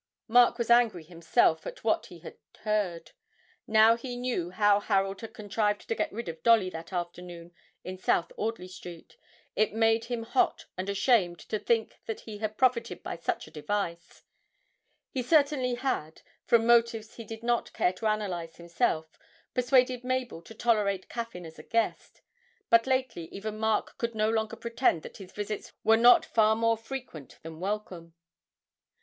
Mark was angry himself at what he had heard. Now he knew how Harold had contrived to get rid of Dolly that afternoon in South Audley Street, it made him hot and ashamed to think that he had profited by such a device. He certainly had, from motives he did not care to analyse himself, persuaded Mabel to tolerate Caffyn as a guest, but lately even Mark could no longer pretend that his visits were not far more frequent than welcome.